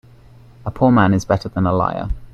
A poor man is better than a liar.